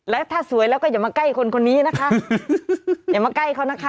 แล้วถ้าสวยแล้วก็อย่ามาใกล้คนคนนี้นะคะอย่ามาใกล้เขานะคะ